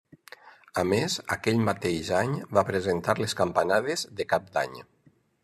A més aquell mateix any va presentar les Campanades de cap d'any.